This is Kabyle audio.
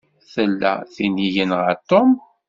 Tella tin i yenɣa Tom.